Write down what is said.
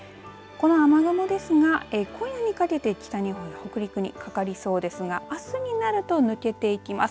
この雨雲ですが今夜にかけて北日本や北陸にかかりそうですがあすになると抜けていきます。